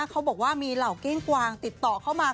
เขาบอกว่ามีเหล่าเก้งกวางติดต่อเข้ามา